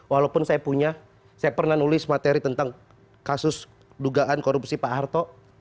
walaupun saya punya saya pernah nulis materi tentang kasus dugaan korupsi pak harto